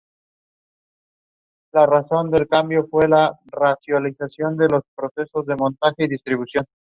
Junto a Pinoy rock se convirtió en una significativa influencia para otros artistas filipinos.